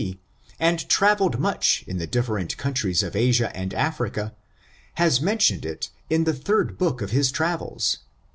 C, and traveled much in the different countries of Asia and Africa, has mentioned it in book 3d, of his travels, p.